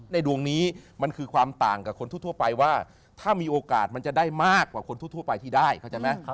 ดวงนี้มันคือความต่างกับคนทั่วไปว่าถ้ามีโอกาสมันจะได้มากกว่าคนทั่วไปที่ได้เข้าใจไหม